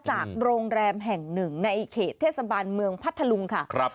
จากโรงแรมแห่งหนึ่งในเขตเทศบาลเมืองพัทธลุงค่ะ